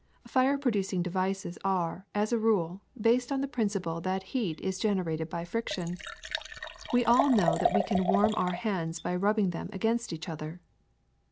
^^Fire producing devices are, as a rule, based on the principle that heat is generated by friction. We all know that we can warm our hands by rubbing them against each other.